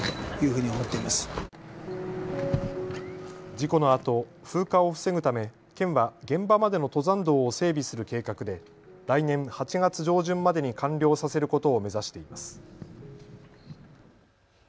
事故のあと風化を防ぐため県は現場までの登山道を整備する計画で、来年８月上旬までに完了させることを目指しています。